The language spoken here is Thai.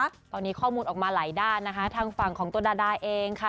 ตอนนี้ข้อมูลออกมาหลายด้านนะคะทางฝั่งของตัวดาดาเองค่ะ